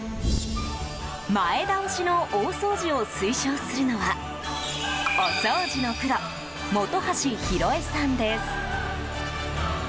前倒しの大掃除を推奨するのはお掃除のプロ本橋ひろえさんです。